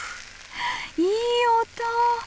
いい音！